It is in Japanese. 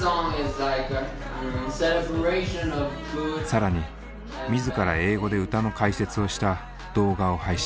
更に自ら英語で歌の解説をした動画を配信。